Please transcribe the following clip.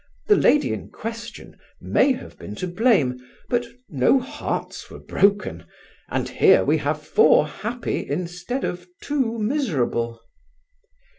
The lady in question may have been to blame, but no hearts were broken, and here we have four happy instead of two miserable."